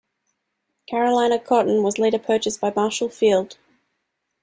Carolina Cotton was later purchased by Marshall Field.